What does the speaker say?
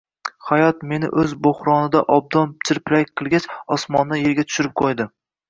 Hayot meni o`z bo`hronida obdan chirpirak qilgach, osmondan erga tushirib qo`ydi